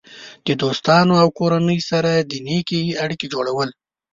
د دوستانو او کورنۍ سره د نیکې اړیکې جوړول.